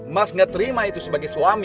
mas gak terima itu sebagai suami